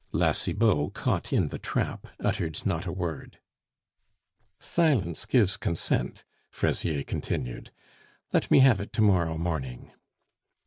La Cibot, caught in the trap, uttered not a word. "Silence gives consent," Fraisier continued. "Let me have it to morrow morning."